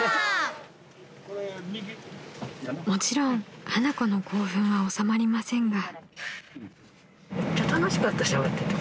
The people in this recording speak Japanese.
［もちろん花子の興奮は収まりませんが］